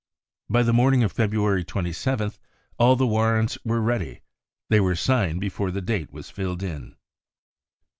By the morning of February 27th all the warrants were ready. They were signed before the date was filled * in.